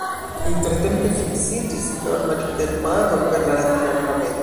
Intertempe fiksiĝis norma literumado per la latina alfabeto.